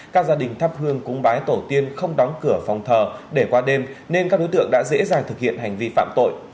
các gia đình thắp hương cúng bái tổ tiên không đóng cửa phòng thờ để qua đêm nên các đối tượng đã dễ dàng thực hiện hành vi phạm tội